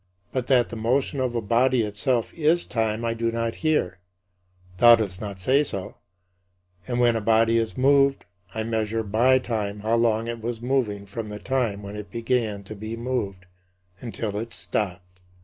But that the motion of a body itself is time I do not hear; thou dost not say so. For when a body is moved, I measure by time how long it was moving from the time when it began to be moved until it stopped.